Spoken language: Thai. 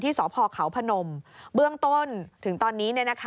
สพเขาพนมเบื้องต้นถึงตอนนี้